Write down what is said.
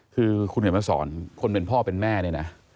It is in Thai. คือคุณเขียนมาสอนคนเป็นพ่อเป็นแม่เนี่ยนะ